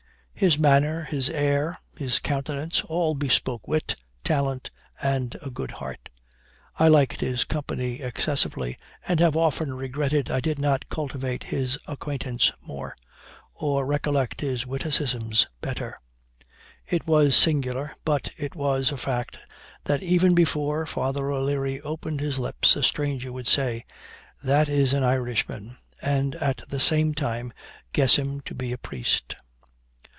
His manner, his air, his countenance, all bespoke wit, talent, and a good heart. I liked his company excessively, and have often regretted I did not cultivate his acquaintance more, or recollect his witticisms better. It was singular, but it was a fact, that even before Father O'Leary opened his lips, a stranger would say, 'That is an Irishman,' and, at the same time, guess him to be a priest.